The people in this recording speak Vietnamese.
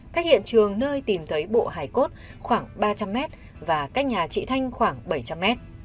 cách hiện trường nơi tìm thấy bộ hải cốt khoảng ba trăm linh m và cách nhà chị thanh khoảng bảy trăm linh m